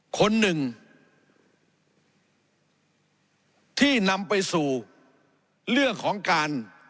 คนหนึ่งที่นำไปสู่เรื่องของการ